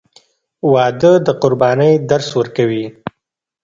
• واده د قربانۍ درس ورکوي.